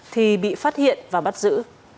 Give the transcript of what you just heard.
thì bị phát hiện và bắt giữ